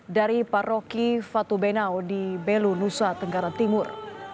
dari paroki fatubenau di belu nusa tenggara timur